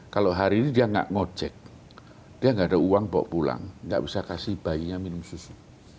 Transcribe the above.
kalau hari ini dia gak ngojek dia gak ada uang bawa pulang gak bisa kasih bayinya minum susu